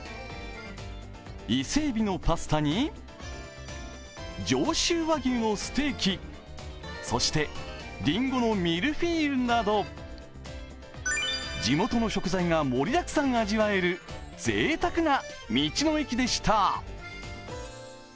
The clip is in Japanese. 伊勢えびのパスタに上州和牛のステーキ、そしてりんごのミルフィーユなど地元の食材が盛りだくさん味わえるぜいたくな道の駅でした。